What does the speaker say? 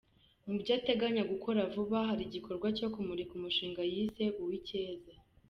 Mu byo ateganya gukora vuba hari igikorwa cyo kumurika umushinga yise "Uwicyeza".